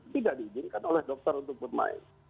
tidak diizinkan oleh dokter untuk bermain